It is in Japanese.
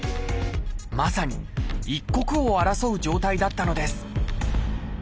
まさに一刻を争う状態だったのです